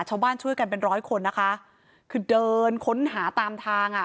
ชาวบ้านช่วยกันเป็นร้อยคนนะคะคือเดินค้นหาตามทางอ่ะ